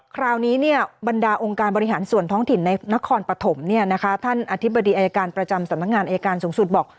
คราวนี้บรรดาองค์การบริหารส่วนท้องถิ่นในนครปฐมท่านอธิบดีอายการประจำสำนักงานอายการสูงสุดบอก